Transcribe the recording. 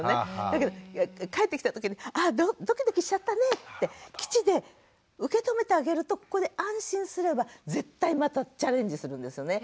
だけど帰ってきた時に「あドキドキしちゃったね」って基地で受け止めてあげるとここで安心すれば絶対またチャレンジするんですよね。